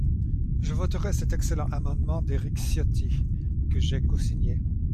Je voterai cet excellent amendement d’Éric Ciotti, que j’ai cosigné.